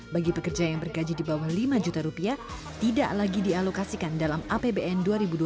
bagi pekerja yang bergaji di bawah lima juta rupiah tidak lagi dialokasikan dalam apbn dua ribu dua puluh